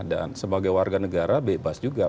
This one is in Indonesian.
dan sebagai warga negara bebas juga